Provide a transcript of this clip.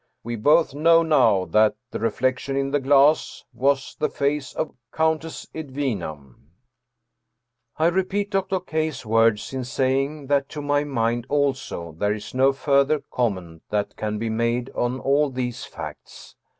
We both know now that the reflection in the glass was the face of Countess Edwina." I repeat Dr. K.'s words in saying that, to my mind also, there is no further comment that can be made on all these facts.